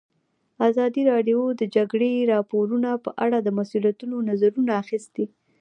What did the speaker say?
ازادي راډیو د د جګړې راپورونه په اړه د مسؤلینو نظرونه اخیستي.